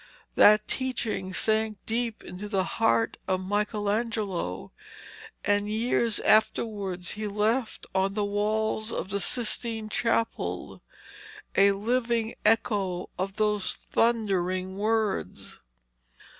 That teaching sank deep into the heart of Michelangelo, and years afterwards he left on the walls of the Sistine Chapel a living echo of those thundering words.